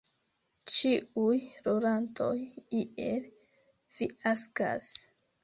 Ĉiuj rolantoj iel fiaskas.